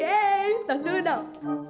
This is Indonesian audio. eh tas dulu dong